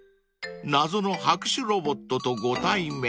［謎の拍手ロボットとご対面］